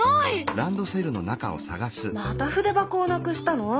また筆箱をなくしたの？